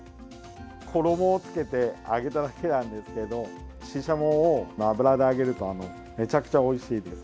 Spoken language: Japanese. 衣をつけて揚げただけなんですけどシシャモを油で揚げるとめちゃくちゃおいしいです。